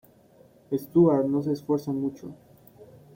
Stewart no se esfuerzan mucho.